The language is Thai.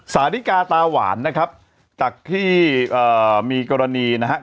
สาธิกาตาหวานนะครับจากที่มีกรณีนะครับ